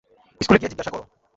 স্কুলে গিয়ে জিজ্ঞাসা করো।